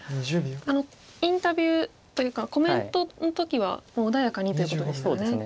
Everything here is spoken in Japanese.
インタビューというかコメントの時は穏やかにということでしたね。